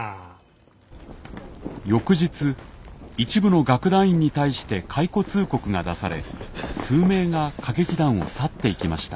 翌日一部の楽団員に対して解雇通告が出され数名が歌劇団を去っていきました。